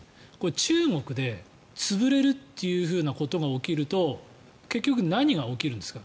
中国で潰れるっていうことが起きると結局、何が起きるんですか。